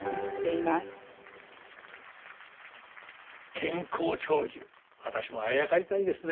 健康長寿私もあやかりたいですね。